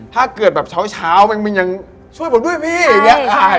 ถ้าเกิดแบบเช้ามันยังช่วยผมด้วยพี่อย่างนี้